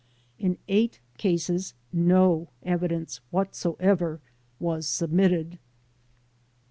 In 8 cases no evidence what soever was submitted.